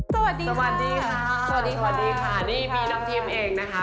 สวัสดีค่ะสวัสดีค่ะนี่บีนน้ำทิพย์เองนะคะ